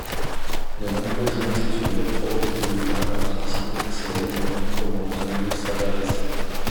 De nombreux jeunes étudiants pro-républicains, ont participé à ses réunions, comme Antonio Savaresi.